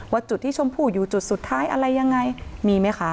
จุดที่ชมพู่อยู่จุดสุดท้ายอะไรยังไงมีไหมคะ